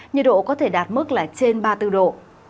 nhiệt độ có thể đạt mức là trên ba mươi bốn độ